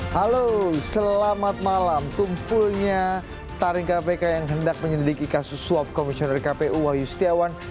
halo selamat malam tumpulnya taring kpk yang hendak menyelidiki kasus suap komisioner kpu wahyu setiawan